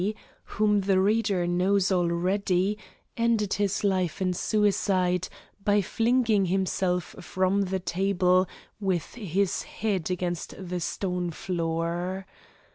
whom the reader knows already, ended his life in suicide by flinging himself from the table with his head against the stone floor.